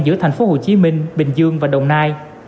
giữa thành phố hồ chí minh bình dương và đồng nai